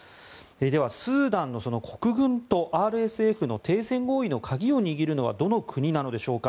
では、スーダンの国軍とＲＳＦの停戦合意の鍵を握るのはどの国なのでしょうか。